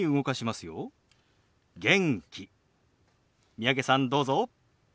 三宅さんどうぞ。